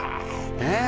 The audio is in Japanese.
ねえ。